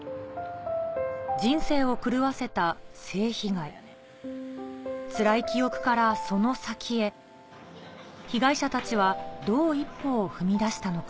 人生を狂わせた性被害つらい記憶からその先へ被害者たちはどう一歩を踏みだしたのか